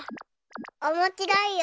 おもしろいよ。